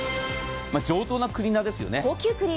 上等なクリーナーですよね。